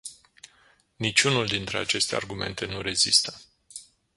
Niciunul dintre aceste argumente nu rezistă.